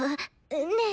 ねえ